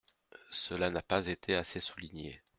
Cela n’a pas été assez souligné.